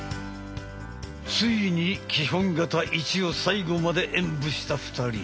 ついに「基本形１」を最後まで演武した２人。